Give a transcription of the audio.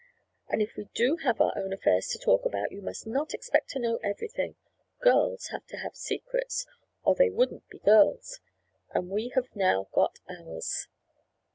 "And if we do have our own affairs to talk about you must not expect to know everything. Girls have to have secrets, or they wouldn't be girls, and we have now got ours."